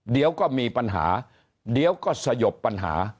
เดี๋ยวก็มีปัญหาเดี๋ยวก็สยบปัญหา